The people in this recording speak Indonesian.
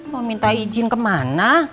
mau minta izin kemana